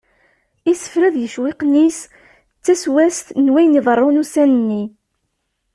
Isefra d yicewwiqen-is d ttaswast n wayen iḍeṛṛun ussan nni.